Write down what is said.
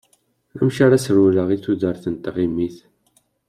Amek ara as-rewleɣ i tudert n tɣimit?